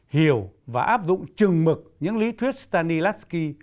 hiểu và áp dụng chừng mực những lý thuyết stanislavsky